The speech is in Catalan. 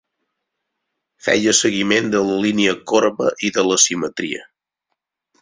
Feia seguiment de la línia corba i de l'asimetria.